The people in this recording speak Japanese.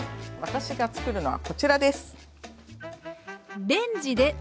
私が作るのはこちらです！